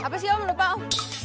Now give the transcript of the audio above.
apa sih om lupa om